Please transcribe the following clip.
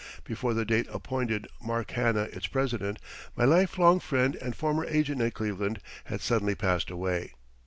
Before the date appointed Mark Hanna, its president, my lifelong friend and former agent at Cleveland, had suddenly passed away.